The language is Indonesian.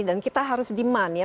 dan kita harus demand ya